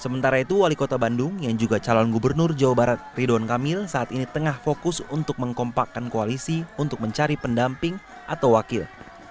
sementara itu wali kota bandung yang juga calon gubernur jawa barat ridwan kamil saat ini tengah fokus untuk mengkompakan koalisi untuk mencari pendamping atau wakil